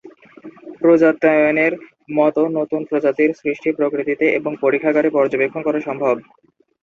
প্রজাত্যায়নের মত নতুন প্রজাতির সৃষ্টি প্রকৃতিতে এবং পরীক্ষাগারে পর্যবেক্ষণ করা সম্ভব।